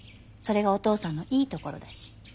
それがお父さんのいいところだし。